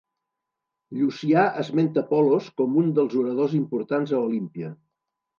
Llucià esmenta Polos com un dels oradors importants a Olímpia.